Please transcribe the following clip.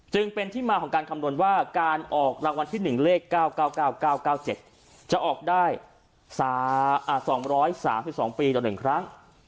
จึงเป็นที่มาของการคำนวณว่าการออกรางวัลที่๑เลข๙๙๙๙๙๙๙๗จะออกได้๒๓๒ปีต่อ๑ครั้ง